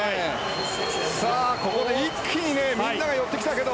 ここで一気にみんなが寄ってきたけど。